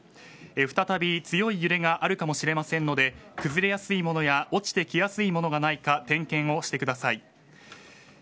再び強い揺れがあるかもしれませんので崩れやすいものや落ちてきやすいものがないか点検をしてください。